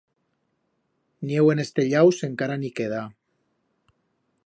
Nieu en es tellaus encara en i queda.